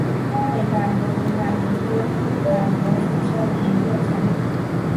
东北百合为百合科百合属下的一个种。